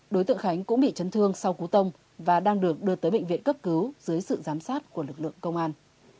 đối tượng khánh cũng bị chấn thương sau cú tông và đang được đưa tới bệnh viện cấp cứu dưới sự giám sát của lực lượng công an